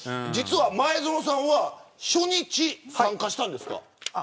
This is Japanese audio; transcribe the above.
前園さんは初日参加したんですか。